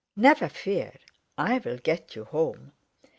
"Never fear, I'll get you home!"